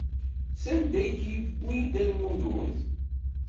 Sanda i k-yewwi Dda Lmulud?